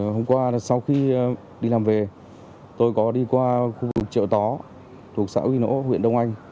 hôm qua sau khi đi làm về tôi có đi qua khu vực chợ tó thuộc xã ghi nỗ huyện đông anh